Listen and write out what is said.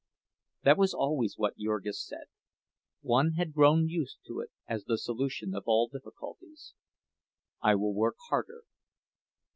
That was always what Jurgis said. Ona had grown used to it as the solution of all difficulties—"I will work harder!"